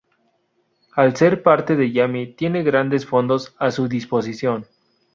Al ser parte de Yami, tiene grandes fondos a su disposición.